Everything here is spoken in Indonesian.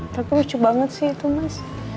tapi lucu banget sih itu mas